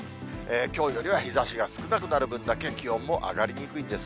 きょうよりは日ざしが少なくなる分だけ、気温も上がりにくいんです。